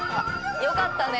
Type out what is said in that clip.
よかったね。